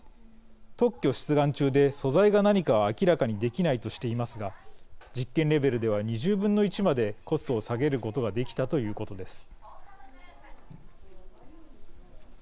特許出願中で素材が何かは明らかにできないとしていますが実験レベルでは２０分の１までコストを下げることができたということです。